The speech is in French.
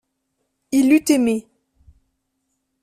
Il eut aimé.